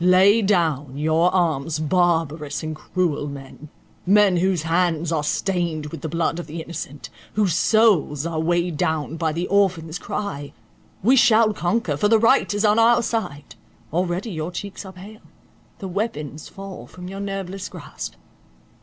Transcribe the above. Lay down your arms, barbarous and cruel men—men whose hands are stained with the blood of the innocent, whose souls are weighed down by the orphan's cry! We shall conquer, for the right is on our side; already your cheeks are pale—the weapons fall from your nerveless grasp.